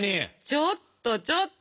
ちょっとちょっと！